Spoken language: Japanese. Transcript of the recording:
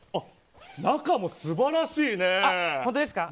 中も素晴らしいね。